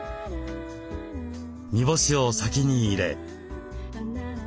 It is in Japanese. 煮干しを先に入れ。